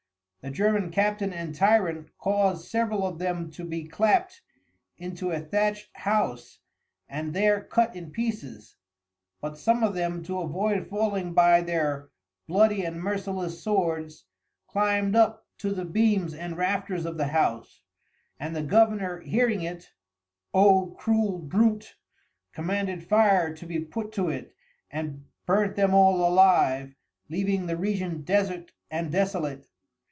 The German Captain and Tyrant caused several of them to be clapt into a Thatcht House, and there cut in pieces; but some of them to avoid falling by their bloody and merciless Swords, climb'd up to the beams and Rafters of the House, and the Governour, hearing it (O cruel Brute?) commanded Fire to be put to it and burnt them all alive, leaving the Region desert and desolate.